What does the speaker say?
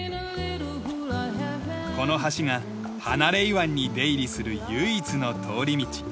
この橋がハナレイ湾に出入りする唯一の通り道。